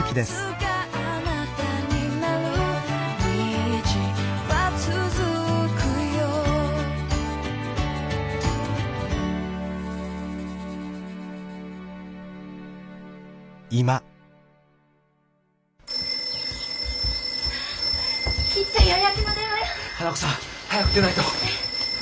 花子さん早く出ないと！